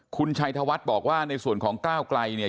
คุณชัยธวัฒน์บอกว่าในส่วนของก้าวไกลเนี่ย